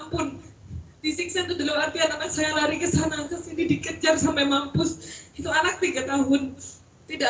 penyelamatkan anak saya lalu ke sana ke sini dikejar sampai mampus itu anak tiga tahun tidak